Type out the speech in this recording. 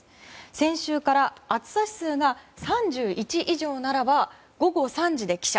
先週から暑さ指数が３１以上ならば午後３時で帰社。